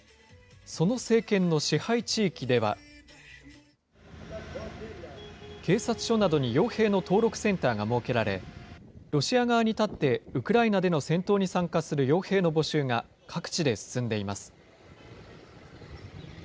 その政権の支配地域では、警察署などによう兵の登録センターが設けられ、ロシア側に立ってウクライナでの戦闘に参加するよう兵の募集が、各地で進んでいます。